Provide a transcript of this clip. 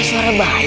ada suara bayi